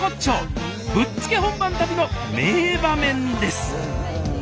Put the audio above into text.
ぶっつけ本番旅の名場面です。